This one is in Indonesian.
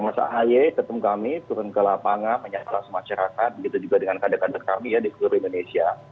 mas a'hayi ketemu kami turun ke lapangan menyaksikan masyarakat begitu juga dengan kandek kandek kami ya di kupu republik indonesia